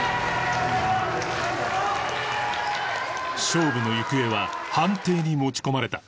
勝負の行方は判定に持ち込まれた